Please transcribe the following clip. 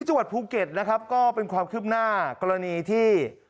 จังหวัดภูเก็ตนะครับก็เป็นความคืบหน้ากรณีที่